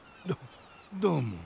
どどうも。